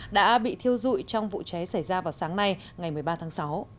đã bị thiêu dụi trong vụ cháy xảy ra vào sáng nay ngày một mươi ba tháng sáu